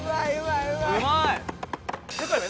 うまい！